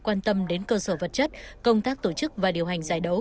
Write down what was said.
quan tâm đến cơ sở vật chất công tác tổ chức và điều hành giải đấu